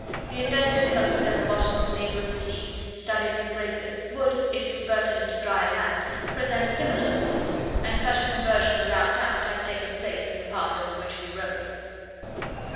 The indented coast and the bottom of the neighbouring sea, studded with breakers, would, if converted into dry land, present similar forms; and such a conversion without doubt has taken place in the part over which we rode.